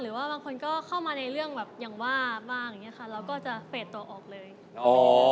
หรือว่าบางคนเข้ามาในเรื่องแบบอย่างว่าบ้างเราก็จะเปรตตัวออกเลย